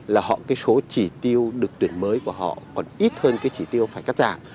là họ cái số chỉ tiêu được tuyển mới của họ còn ít hơn cái chỉ tiêu phải cắt giảm